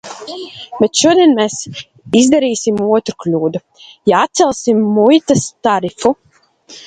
Bet šodien mēs izdarīsim otru kļūdu, ja atcelsim muitas tarifu.